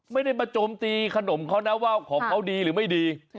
ไม่ได้มาโจมตีขนมเขานะว่าของเขาดีหรือไม่ดี